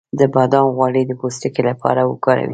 د بادام غوړي د پوستکي لپاره وکاروئ